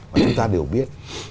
và chúng ta đều biết